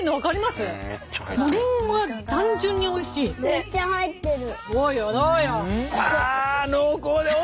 めっちゃ入ってる。